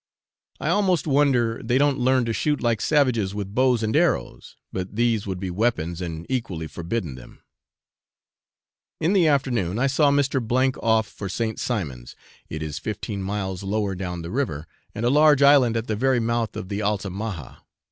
I almost wonder they don't learn to shoot like savages with bows and arrows, but these would be weapons, and equally forbidden them. In the afternoon I saw Mr. off for St. Simon's; it is fifteen miles lower down the river, and a large island at the very mouth of the Altamaha.